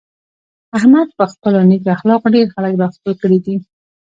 احمد په خپلو نېکو اخلاقو ډېر خلک را خپل کړي دي.